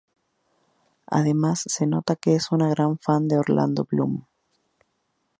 Además se nota que es una gran fan de Orlando Bloom.